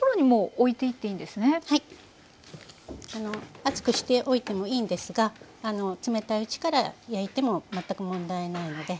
熱くしておいてもいいんですが冷たいうちから焼いても全く問題ないので。